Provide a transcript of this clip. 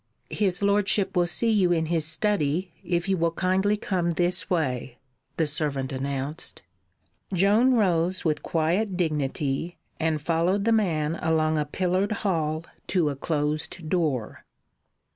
"His Lordship will see you in his study, if you will kindly come this way," the servant announced. Joan rose with quiet dignity and followed the man along a pillared hall to a closed door.